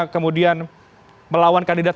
kemudian melawan kandidat